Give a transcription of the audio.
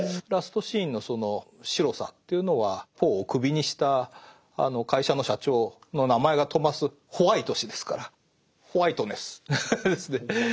ラストシーンのその白さというのはポーをクビにした会社の社長の名前がトマス・ホワイト氏ですからホワイトネスですね。